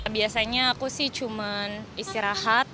biasanya aku sih cuma istirahat